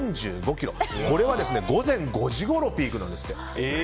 これは午前５時ごろピークなんですって。